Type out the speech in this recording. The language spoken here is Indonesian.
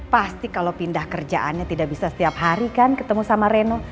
pasti kalau pindah kerjaannya tidak bisa setiap hari kan ketemu sama reno